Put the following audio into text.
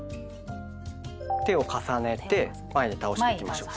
手を重ねて前に倒していきましょう。